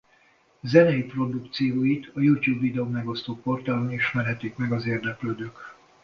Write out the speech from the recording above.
Zenei produkcióit a YouTube videómegosztó portálon ismerhetik meg az érdeklődők.